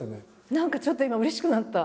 何かちょっと今うれしくなった。